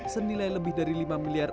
senilai lebih dari lima miliar